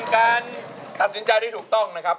การตัดสินใจที่ถูกต้องนะครับ